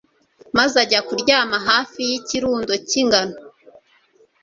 maze ajya kuryama hafi y'ikirundo cy'ingano